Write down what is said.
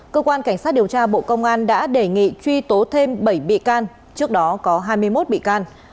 cơ quan cảnh sát điều tra bộ công an đã đề nghị truy tố thêm bảy bị can trước đó có hai mươi một bị can